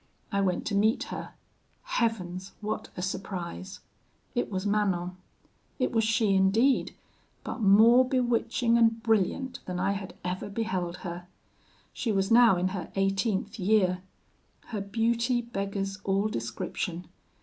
I went to meet her. Heavens! what a surprise! "It was Manon. It was she indeed, but more bewitching and brilliant than I had ever beheld her. She was now in her eighteenth year. Her beauty beggars all description.